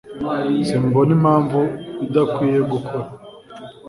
Simbona impamvu idakwiye gukora.